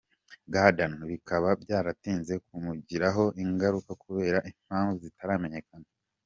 Gardner bikaba byaratinze kumugiraho ingaruka kubera impamvu zitaramenyekana.